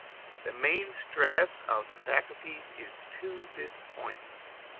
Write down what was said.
The main stress of the faculties is to this point.